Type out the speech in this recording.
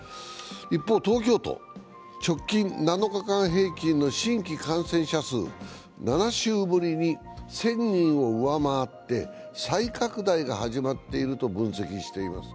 一方、東京都、直近７日間平均の新規感染者数、７週ぶりに１０００人を上回って再拡大が始まっていると分析しています。